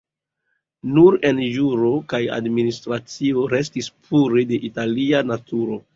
Nur en juro kaj administracio restis pure de Italia naturo.